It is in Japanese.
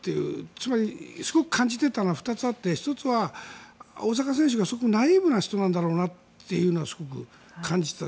つまり、すごく感じてたのは２つあって１つは大坂選手がすごくナイーブな人なんだろうなというのはすごく感じていた。